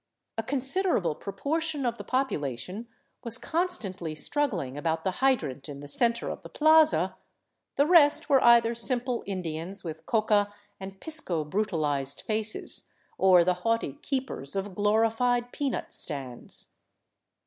A considerable proportion of the popula tion was constantly struggling about the hydrant in the center of the plaza ; the rest were either simple Indians with coca and pisco brutal ized faces, or the haughty keepers of glorified peanut stands.